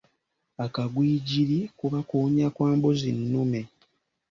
Akagwigiri kuba kuwunya kwa mbuzi nnume.